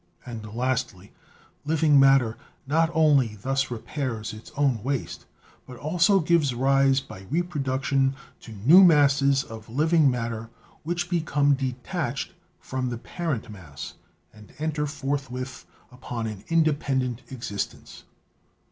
And lastly, living matter not only thus repairs its own waste, but also gives rise by reproduction to new masses of living matter which become detached from the parent mass and enter forthwith upon an independent existence.